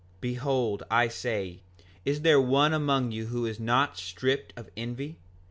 5:29 Behold, I say, is there one among you who is not stripped of envy?